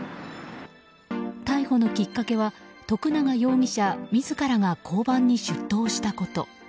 逮捕のきっかけは徳永容疑者自らが交番に出頭したこと。